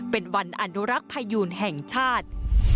เป็นวันอนุรักษ์พยูนแห่งชาติ